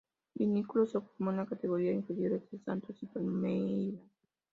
Vinícius se formó en las categorías inferiores de Santos y Palmeiras.